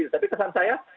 tapi kesan saya